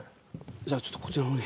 じゃあちょっとこちらのほうに。